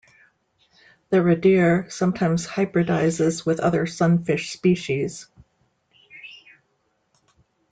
The redear sometimes hybridizes with other sunfish species.